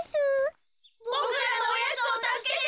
ボクらのおやつをたすけて。